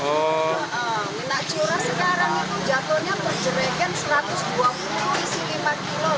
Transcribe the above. minyak curah sekarang jatuhnya berjeregen satu ratus dua puluh lima kg